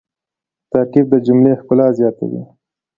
ترکیب د جملې ښکلا زیاتوي.